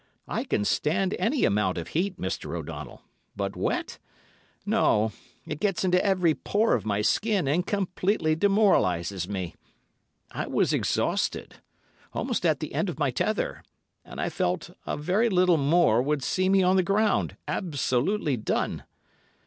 I can stand any amount of heat, Mr. O'Donnell, but wet, no, it gets into every pore of my skin and completely demoralises me. I was exhausted, almost at the end of my tether, and I felt a very little more would see me on the ground, absolutely done.